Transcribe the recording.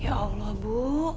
ya allah bu